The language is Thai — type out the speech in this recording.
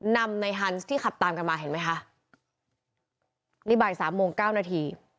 นำในฮันส์ที่ขับตามกันมาเห็นไหมคะนี่บ่ายสามโมงเก้านาที